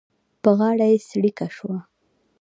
په غاړه یې څړيکه شوه.